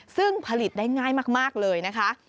ซึ่งผลิตได้ง่ายมากเลยนะคะ